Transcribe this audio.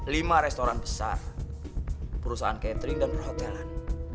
lima restoran besar perusahaan catering dan perhotelan